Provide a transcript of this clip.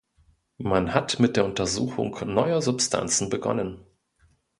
Man hat mit der Untersuchung neuer Substanzen begonnen.